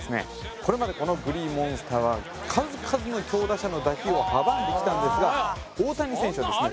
これまでこのグリーンモンスターは数々の強打者の打球を阻んできたんですが大谷選手はですね